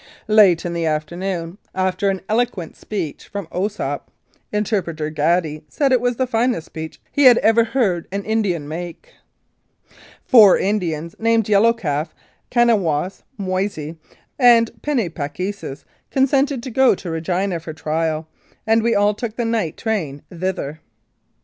Late in the afternoon, after an eloquent speech from Osoup (Interpreter Gaddy said it was the finest speech he had ever heard an Indian make), four Indians named Yellow Calf, Kanawos, Moise, and Penni pa k sis consented to go to Regina for trial, and we all took the night train thither.